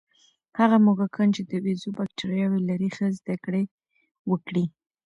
هغه موږکان چې د بیزو بکتریاوې لري، ښې زده کړې وکړې.